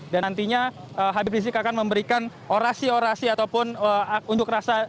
dan nantinya habib rizik akan memberikan orasi orasi ataupun unjuk rasa